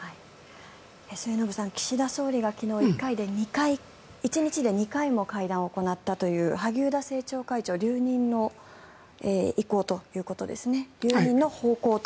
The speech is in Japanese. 末延さん、岸田総理が昨日１日で２回も会談を行ったという萩生田政調会長留任の方向ということですね。